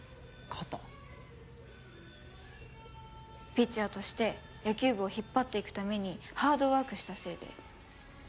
ピッチャーとして野球部を引っ張っていくためにハードワークしたせいで。